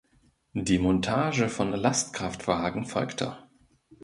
Die Montage von Lastkraftwagen folgte.